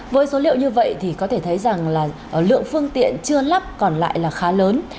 với số liệu như vậy thì có thể thấy rằng là lượng phương tiện chưa lắp còn lại là khá lớn